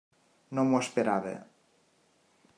No m'ho esperava.